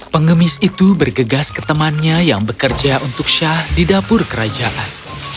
pengemis itu bergegas ke temannya yang bekerja untuk shah di dapur kerajaan